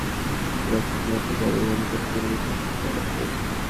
বাংলাদেশ সেনাবাহিনী সৈনিক পদে লোক নেবে বলে বিভিন্ন পত্রিকায় বিজ্ঞপ্তি প্রকাশ করেছে।